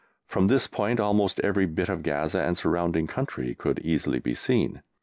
From this point almost every bit of Gaza and the surrounding country could easily be seen.